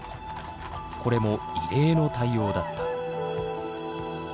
これも異例の対応だった。